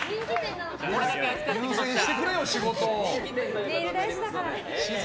優先してくれよ、仕事を。